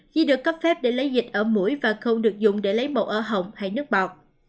khi được cấp phép để lấy dịch ở mũi và khâu được dùng để lấy mẫu ở hồng hay nước bọt